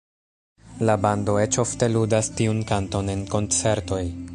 La bando eĉ ofte ludas tiun kanton en koncertoj.